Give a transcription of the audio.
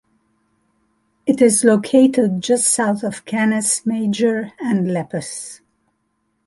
It is located just south of Canis Major and Lepus.